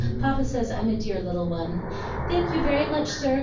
Papa says I'm a dear little one. Thank you very much, sir.